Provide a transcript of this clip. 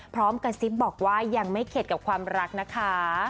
พร้อมกระซิบบอกว่ายังไม่เข็ดกับความรักนะคะ